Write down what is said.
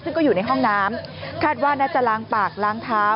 ซึ่งก็อยู่ในห้องน้ำคาดว่าน่าจะล้างปากล้างเท้า